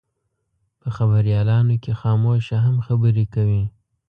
په خبریالانو کې خاموشه هم خبرې کوي.